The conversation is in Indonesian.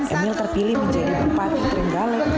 emil terpilih menjadi pepatu terenggale